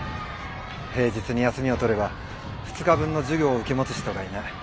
平日に休みを取れば２日分の授業を受け持つ人がいない。